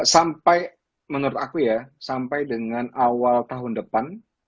sampai menurut aku ya sampai dengan awal tahun depan